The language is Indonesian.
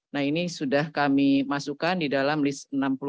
nah ini sudah kami masukkan di dalam list enam puluh lima